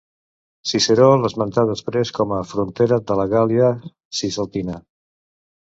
Ciceró l'esmenta després com a frontera de la Gàl·lia Cisalpina.